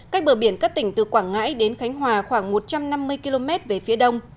cách bờ biển các tỉnh từ quảng ngãi đến khánh hòa khoảng một trăm năm mươi km về phía đông